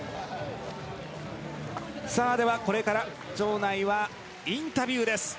では、これから場内はインタビューです。